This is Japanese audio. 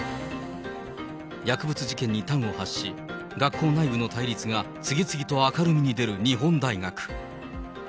薬物事件に端を発し、学校内部の対立が次々と明るみに出る日本大学。